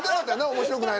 「面白くない」